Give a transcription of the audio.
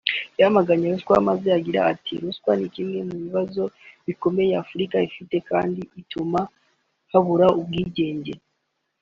yamaganye ruswa maze agira ati “Ruswa ni kimwe mu bibazo bikomeye Afurika ifite kandi ituma habura ubwigenge